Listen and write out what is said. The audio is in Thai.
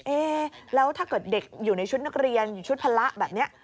เอ๊ะแล้วถ้าเกิดเด็กอยู่ในชุดนักเรียนอยู่ชุดพละแบบนี้